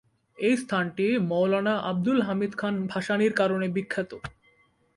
এই স্থানটি মওলানা আবদুল হামিদ খান ভাসানীর কারণে বিখ্যাত।